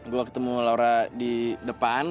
gue ketemu laura di depan